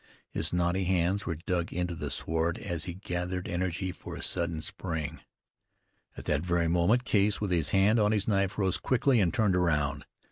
His knotty hands were dug into the sward as he gathered energy for a sudden spring. At that very moment Case, with his hand on his knife, rose quickly and turned round.